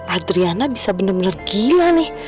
adriana bisa bener bener gila nih